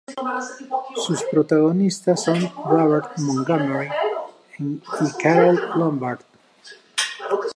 Sus protagonistas, son Robert Montgomery y Carole Lombard.